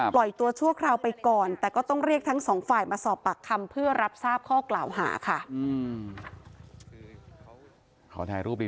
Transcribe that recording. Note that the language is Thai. ตัวชั่วคราวไปก่อนแต่ก็ต้องเรียกทั้งสองฝ่ายมาสอบปากคำเพื่อรับทราบข้อกล่าวหาค่ะ